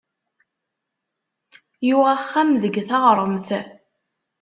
Yuɣ axxam deg taɣremt.